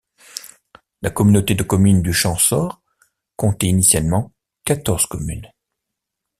La communauté de communes du Champsaur comptait initialement quatorze communes.